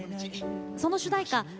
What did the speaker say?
その主題歌